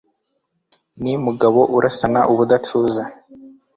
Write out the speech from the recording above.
ni Mugabo urasana ubudatuza